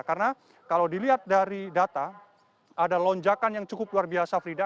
karena kalau dilihat dari data ada lonjakan yang cukup luar biasa frida